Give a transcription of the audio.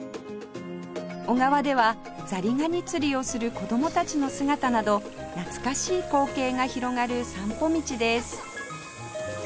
小川ではザリガニ釣りをする子供たちの姿など懐かしい光景が広がる散歩道です